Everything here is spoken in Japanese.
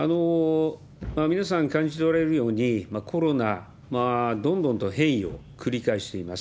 皆さん、感じておられるように、コロナ、どんどんと変異を繰り返しています。